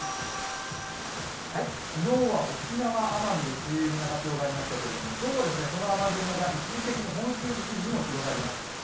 昨日は沖縄、奄美で梅雨入りの発表がありましたが今日はその雨雲が一時的に本州付近に来ます。